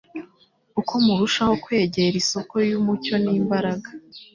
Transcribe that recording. uko murushaho kwegera isoko y'umucyo n'imbaraga